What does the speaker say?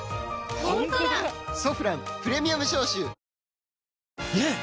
「ソフランプレミアム消臭」ねえ‼